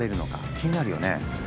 気になるよね。